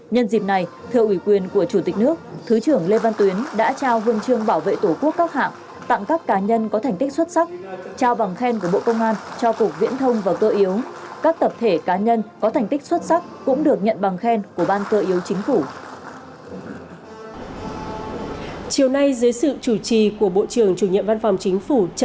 nhân dịp này thưa ủy quyền của chủ tịch nước thứ trưởng lê văn tuyến đã trao quân trương bảo vệ tổ quốc các hạng tặng các cá nhân có thành tích xuất sắc trao bằng khen của bộ công an cho cục viễn thông và cơ yếu các tập thể cá nhân có thành tích xuất sắc cũng được nhận bằng khen của ban cơ yếu chính phủ